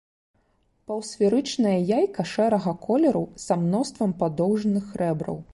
Паўсферычнае яйка шэрага колеру са мноствам падоўжных рэбраў.